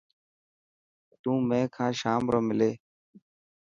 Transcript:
تون مين کان شام رو ملي.